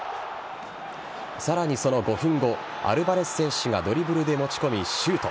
さらに、その５分後アルヴァレス選手がドリブルで持ち込みシュート。